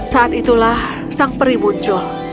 saat itulah sang peri muncul